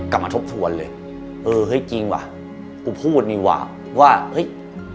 ทบทวนเลยเออเฮ้ยจริงว่ะกูพูดนี่ว่ะว่าเฮ้ย